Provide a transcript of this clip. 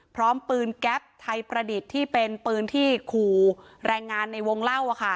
พร้อมปืนแก๊ปไทยประดิษฐ์ที่เป็นปืนที่ขู่แรงงานในวงเล่า